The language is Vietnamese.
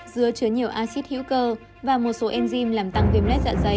dứa chứa nhiều acid hữu cơ và một số enzim làm tăng viêm lét dạ dày